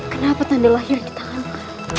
kenapa tanda lahir ditahan bukan